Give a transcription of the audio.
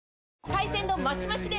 海鮮丼マシマシで！